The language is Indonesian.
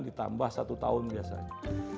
ditambah satu tahun biasanya